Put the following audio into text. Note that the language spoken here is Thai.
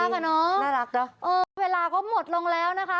ค่ะน่ารักหรอเออเวลาก็หมดลงแล้วนะคะ